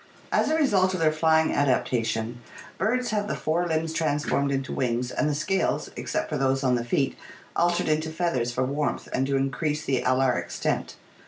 As a result of their flying adaptation, birds have the fore limbs transformed into wings, and the scales, except for those on the feet, altered into feathers for warmth and to increase the alar extent.